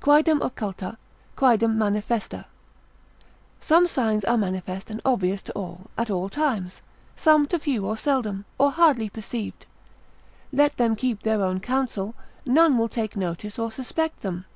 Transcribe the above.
Quaedam occulta quaedam manifesta, some signs are manifest and obvious to all at all times, some to few, or seldom, or hardly perceived; let them keep their own council, none will take notice or suspect them.